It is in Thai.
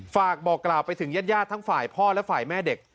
ฝากบอกกล่าวไปถึงญาติทั้งฝ่ายพ่อและฝ่ายแม่เด็ก